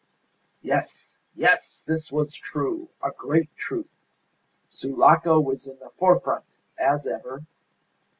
Yes! Yes! This was true! A great truth! Sulaco was in the forefront, as ever!